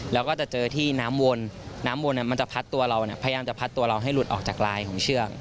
แล้วก็จะเจอที่น้ำวนน้ำวนมันจะพัดตัวเราพยายามจะพัดตัวเราให้หลุดออกจากลายของเชือก